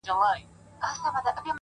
• او ستا د ښكلي شاعرۍ په خاطر،